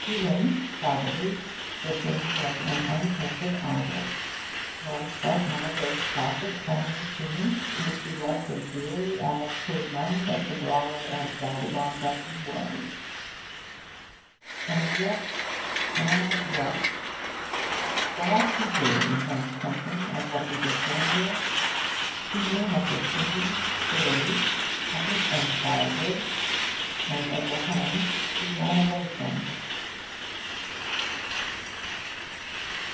To him, probably, the thing was an untainted idyll, was but one of those placid homely scenes which he loved as dearly as could none but the brawler and vagabond that he was. And yet... and yet... perhaps he did intend something of what we discern here. He may have been thinking, bitterly, of his own childhood, and of the home he ran away from.